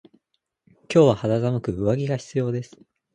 今日は肌寒く上着が必要です。